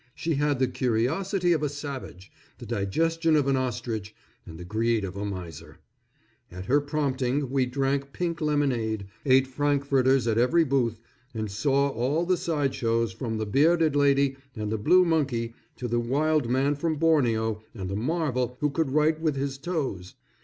She had the curiosity of a savage, the digestion of an ostrich, and the greed of a miser. At her prompting we drank pink lemonade, ate frankfurters at every booth, and saw all the side shows, from the bearded lady and the blue monkey to the wild man from Borneo and the marvel who could write with his toes.